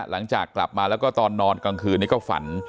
หลังจากกลับมาแล้วก็ตอนนอนกลางคืนนี้ก็ฝัน